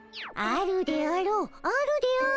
あるであろう。